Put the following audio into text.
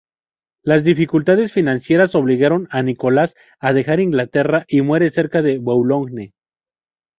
Las dificultades financieras obligaron a Nicholas a dejar Inglaterra, y muere cerca de Boulogne.